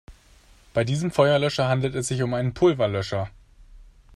Bei diesem Feuerlöscher handelt es sich um einen Pulverlöscher.